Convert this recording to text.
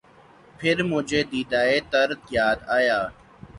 پھر مجھے دیدہٴ تر یاد آیا